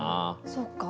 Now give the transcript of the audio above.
そっか。